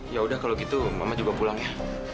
ya udah kalau gitu mama juga pulang ya